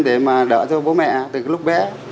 đỡ cho bố mẹ từ lúc bé